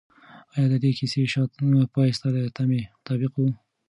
آیا د دې کیسې پای ستا د تمې مطابق و؟